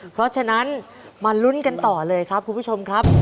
เพราะฉะนั้นมาลุ้นกันต่อเลยครับคุณผู้ชมครับ